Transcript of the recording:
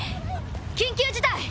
緊急事態！